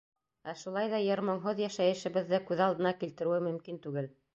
Ә шулай ҙа йыр-моңһоҙ йәшәйешебеҙҙе күҙ алдына килтереүе мөмкин түгел.